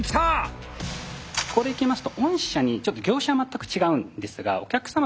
ここでいきますと御社にちょっと業種は全く違うんですがお客さまとして。